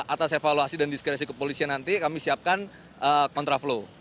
atas evaluasi dan diskretasi kepolisian nanti kami siapkan contraflow